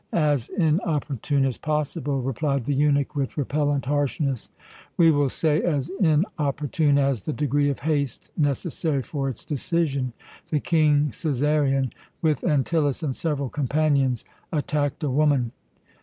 "As inopportune as possible," replied the eunuch with repellent harshness. "We will say as inopportune as the degree of haste necessary for its decision. The King Cæsarion, with Antyllus and several companions, attacked a woman.